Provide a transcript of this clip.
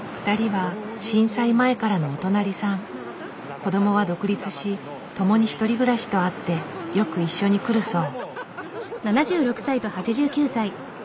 子供は独立し共に１人暮らしとあってよく一緒に来るそう。